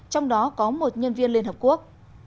trong đó có một nhân viên liên hợp quốc